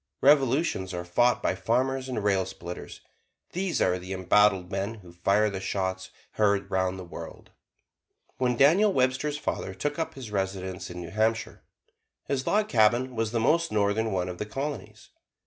Revolutions are fought by farmers and rail splitters; these are the embattled men who fire the shots heard 'round the world. When Daniel Webster's father took up his residence in New Hampshire, his log cabin was the most northern one of the Colonies.